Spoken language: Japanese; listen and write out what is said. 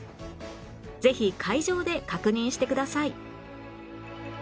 ぜひ会場で確認してください